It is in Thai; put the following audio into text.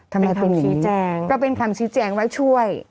ทำไมเป็นอย่างนี้เป็นคำชี้แจงก็เป็นคำชี้แจงว่าช่วย